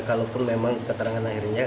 kalaupun memang keterangan akhirnya